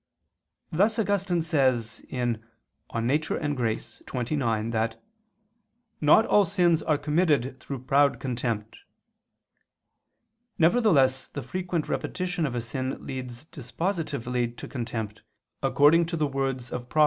Thus Augustine says (De Nat. et Grat. xxix) that "not all sins are committed through proud contempt." Nevertheless the frequent repetition of a sin leads dispositively to contempt, according to the words of Prov.